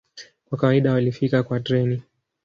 Kwa kawaida walifika kwa treni.